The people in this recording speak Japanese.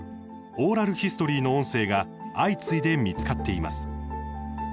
オーラル・ヒストリーの音声が相次いで見つかっています。